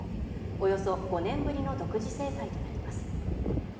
およそ５年ぶりの独自制裁となります